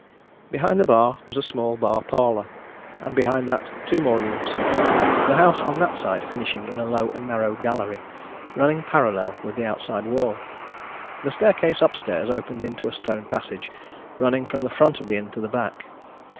Behind the bar was a small bar parlour, and behind that two more rooms, the house on that side finishing in a low and narrow gallery running parallel with the outside wall. The staircase upstairs opened into a stone passage, running from the front of the inn to the back.